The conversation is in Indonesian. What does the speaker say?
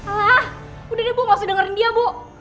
alah udah deh bu gausah dengerin dia bu